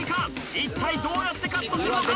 一体どうやってカットするのか？